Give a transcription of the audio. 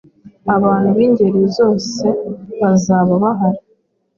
abantu bingeri zose bazaba bahari